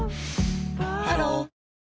ハロー